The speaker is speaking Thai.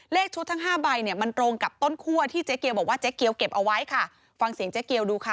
เลขชุดทั้งห้าใบเนี่ยมันตรงกับต้นคั่วที่เจ๊เกียวบอกว่าเจ๊เกียวเก็บเอาไว้ค่ะฟังเสียงเจ๊เกียวดูค่ะ